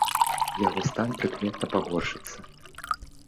Яго стан прыкметна пагоршыцца.